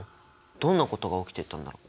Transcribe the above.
どんなことが起きていたんだろう？